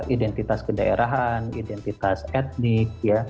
identitas kedaerahan identitas etnik